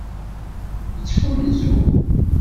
Nettfunzur.